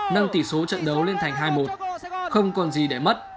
nâng tỷ số trận đấu lên thành hai một không còn gì để mất